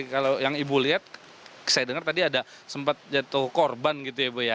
kalau yang ibu lihat saya dengar tadi ada sempat jatuh korban gitu ya bu ya